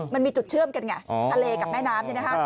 มันมีจุดเชื่อมกันไงทะเลกับแม่น้ำนี่นะคะ